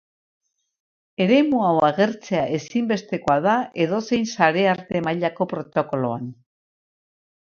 Eremu hau agertzea ezinbestekoa da edozein sarearte-mailako protokoloan.